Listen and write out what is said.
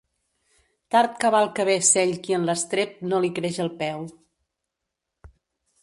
Tard cavalca bé cell qui en l'estrep no li creix el peu.